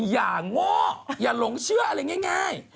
อย่างโง่อย่าหลงเชื่ออะไรง่าย